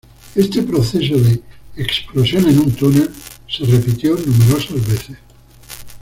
Este proceso de "explosión en un túnel" se repitió numerosas veces.